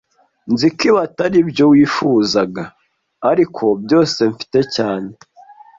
Nzi ko ibi atari byo wifuzaga, ariko byose mfite cyane